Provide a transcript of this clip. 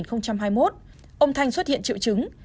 ông thanh xuất hiện triệu chứng